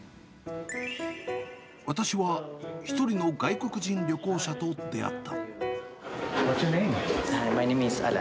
私は一人の外国人旅行者と出会った。